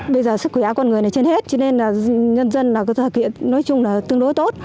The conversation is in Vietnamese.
bây giờ sức khỏe con người này trên hết cho nên là nhân dân thực hiện nói chung là tương đối tốt